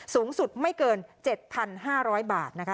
สูงสุดไม่เกิน๗๕๐๐บาทนะคะ